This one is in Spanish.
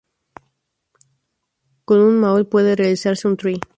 Con un maul puede realizarse un try.